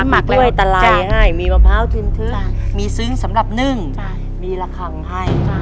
มีถ้วยตะไลมีมะพร้าวถื้นทึกมีซึ้งสำหรับนึ่งมีระคังให้